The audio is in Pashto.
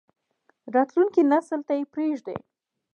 راتلونکی نسل ته یې پریږدئ